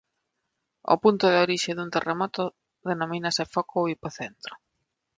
O punto de orixe dun terremoto denomínase foco ou hipocentro.